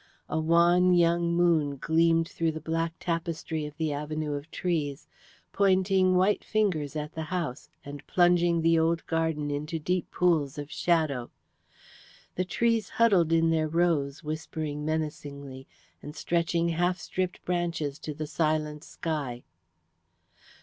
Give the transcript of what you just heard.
A wan young moon gleamed through the black tapestry of the avenue of trees, pointing white fingers at the house and plunging the old garden into deep pools of shadow. The trees huddled in their rows, whispering menacingly, and stretching half stripped branches to the silent sky.